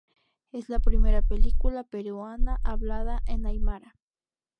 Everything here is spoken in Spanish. Es la primera película peruana hablada en aymara.